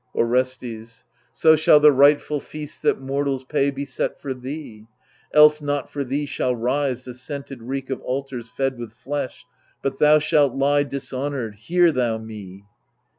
104 THE LIBATIONBEARERS Orestes So shall the rightful feasts that mortals pay Be set for thee ; else, not for thee shall rise The scented reek of altars fed with flesh, But thou shalt lie dishonoured : hear thou me